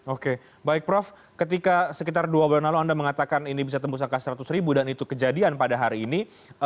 oke baik prof ketika sekitar dua bulan lalu anda mengatakan ini bisa tembus angka seratus ribu dan itu kejadian pada hari ini